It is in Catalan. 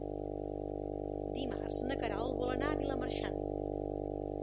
Dimarts na Queralt vol anar a Vilamarxant.